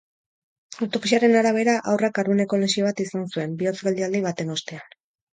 Autopsiaren arabera, haurrak garuneko lesio bat izan zuen, bihotz-geldialdi baten ostean.